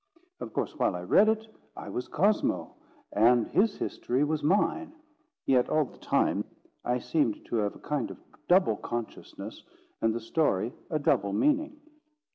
Of course, while I read it, I was Cosmo, and his history was mine. Yet, all the time, I seemed to have a kind of double consciousness, and the story a double meaning.